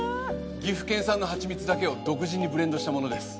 岐阜県産の蜂蜜だけを独自にブレンドしたものです。